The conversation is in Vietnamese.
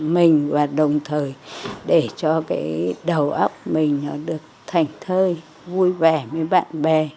mình và đồng thời để cho cái đầu óc mình nó được thành thơi vui vẻ với bạn bè